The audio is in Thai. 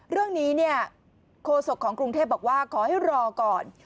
เรื่องนี้เนี่ยโคศกของกรุงเทพบอกว่าขอให้รอก่อน